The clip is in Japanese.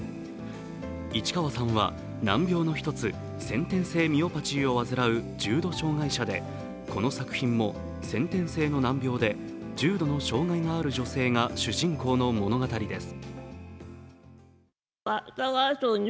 市川さんは難病の１つ先天性ミオパチーを患う重度障害者でこの作品も先天性の難病で重度の障害がある女性が主人公の物語です。